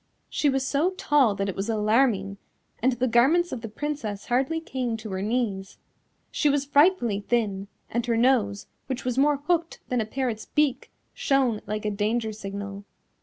She was so tall that it was alarming, and the garments of the Princess hardly came to her knees. She was frightfully thin, and her nose, which was more hooked than a parrot's beak, shone like a danger signal.